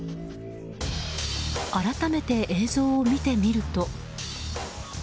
改めて映像を見てみると。